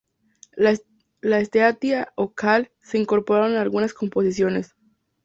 La esteatita o cal se incorporaron en algunas composiciones.